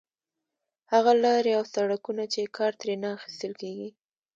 هغه لارې او سړکونه چې کار ترې نه اخیستل کېږي.